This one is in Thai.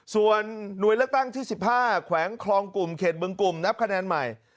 ส่วนหน่วยเลือกตั้งที่๑๕แขวงคลองกลุ่มเขตบึงกลุ่มนับคะแนนใหม่